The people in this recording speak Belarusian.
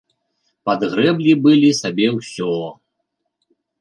Падгрэблі былі сабе ўсё.